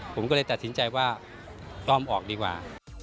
ผมก็เลยตัดสินใจว่าต้อมออกดีกว่า